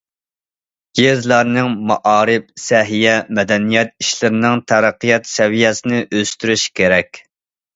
يېزىلارنىڭ مائارىپ، سەھىيە، مەدەنىيەت ئىشلىرىنىڭ تەرەققىيات سەۋىيەسىنى ئۆستۈرۈش كېرەك.